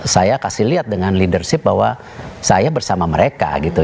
saya kasih lihat dengan leadership bahwa saya bersama mereka gitu